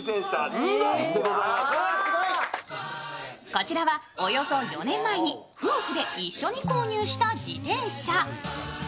こちらはおよそ４年前に夫婦で一緒に購入した自転車。